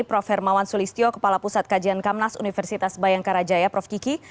prof hermawan sulistyo kepala pusat kajian kamnas universitas bayangkarajaya prof kiki